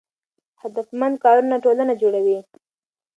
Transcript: هدفمند کارونه ټولنه جوړوي.